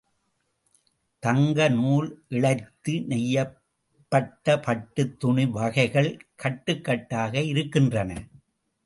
தங்க நூல் இழைத்து நெய்யப்பட்டப் பட்டுத் துணி வகைகள் கட்டுகட்டாக இருக்கின்றன.